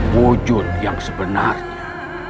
wujud yang sebenarnya